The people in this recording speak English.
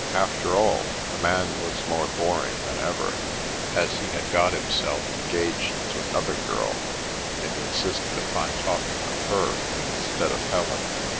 After all, the man was more boring than ever, as he had got himself engaged to another girl, and in sisted upon talking of her, instead of Helen.